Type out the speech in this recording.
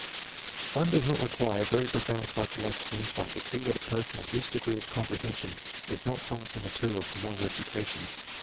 One does not require very profound psychological in sight to see that a person of this degree of comprehension is not promising material for moral education.